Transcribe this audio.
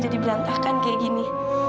jadi berantakan kayak gini